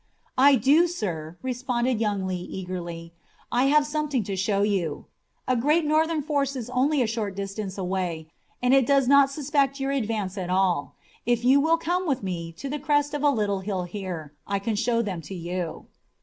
"I do, sir," responded young Lee eagerly. "I have something to show you. A great Northern force is only a short distance away, and it does not suspect your advance at all. If you will come with me to the crest of a little hill here, I can show them to you."